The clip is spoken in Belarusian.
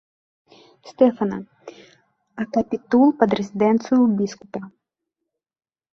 Стэфана, а капітул пад рэзідэнцыю біскупа.